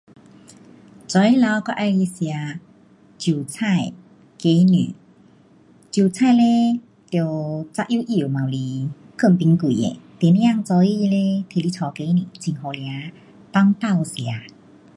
早起头我喜欢吃韭菜，鸡蛋，韭菜嘞，得剁细细晚里，藏冰柜的，第二天早起嘞，提来炒鸡蛋，很好吃，放包吃。